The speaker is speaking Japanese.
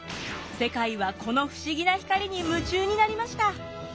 世界はこの不思議な光に夢中になりました。